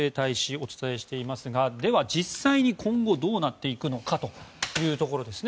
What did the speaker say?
お伝えしていますがでは実際に今後、どうなっていくのかというところですね。